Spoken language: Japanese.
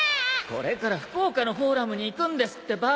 これから福岡のフォーラムに行くんですってば！